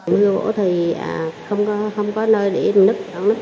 một lúc thì không có nơi để nứt